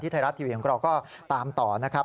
ที่ไทยรัตน์ทีวียงก็รอก็ตามต่อนะครับ